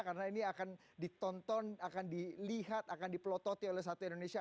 karena ini akan ditonton akan dilihat akan dipelototin oleh satu indonesia